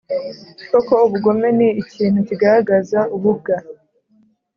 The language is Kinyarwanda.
Koko, ubugome ni ikintu kigaragaza ububwa,